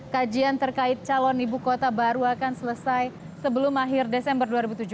kajian terkait calon ibu kota baru akan selesai sebelum akhir desember dua ribu tujuh belas